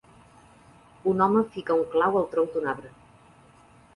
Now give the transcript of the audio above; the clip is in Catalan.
Un home fica un clau al tronc d"un arbre.